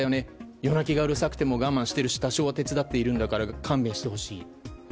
夜泣きがうるさくても我慢しているし多少は手伝ってるんだから勘弁してほしい。